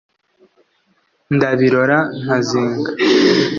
ndabirora nkazenga